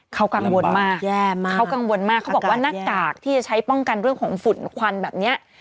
เขากังวลมากแย่มากเขากังวลมากเขาบอกว่าหน้ากากที่จะใช้ป้องกันเรื่องของฝุ่นควันแบบเนี้ย